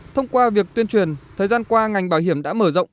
thông qua việc tuyên truyền thời gian qua ngành bảo hiểm đã mở rộng